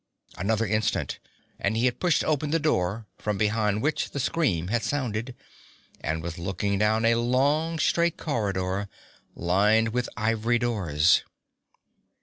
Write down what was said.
Another instant and he had pushed open the door from behind which the scream had sounded, and was looking down a long straight corridor, lined with ivory doors.